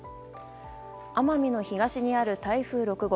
奄美の東にある台風６号。